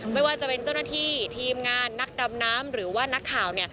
ไม่ว่าจะเป็นเจ้าหน้าที่ทีมงานนักดำน้ำหรือว่านักข่าว